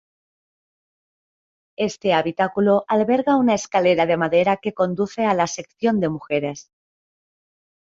Este habitáculo alberga una escalera de madera que conduce a la sección de mujeres.